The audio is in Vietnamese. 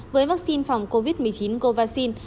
với vaccine phòng covid một mươi chín covaxin